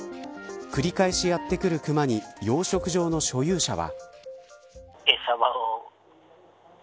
繰り返しやってくるクマに養殖場の所有者は。